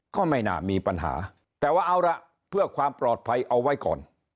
ก็ไม่น่ามีปัญหาแต่ว่าเอาล่ะเพื่อความปลอดภัยเอาไว้ก่อน